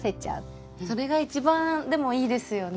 それが一番でもいいですよね。